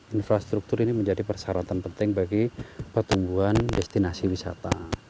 infrastruktur ini menjadi persyaratan penting bagi pertumbuhan destinasi wisata